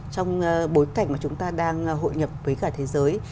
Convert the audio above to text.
trong bối cảnh mà chúng ta đang hội nhập với cả thế giới